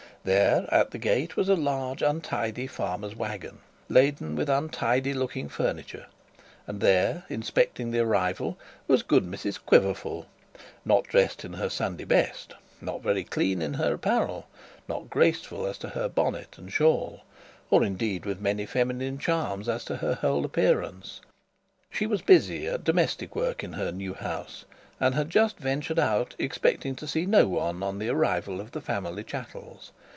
There, at the gate, was a large, untidy, farmer's wagon, laden with untidy looking furniture; and there, inspecting the arrival, was good Mrs Quiverful not dressed in her Sunday best not very clean in her apparel not graceful as to her bonnet and shawl; or, indeed, with many feminine charms as to her whole appearance. She was busy at domestic work in her new house, and had just ventured out, expecting to see no one on the arrival of the family chattels.